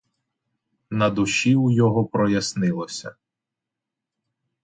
На душі у його прояснилося.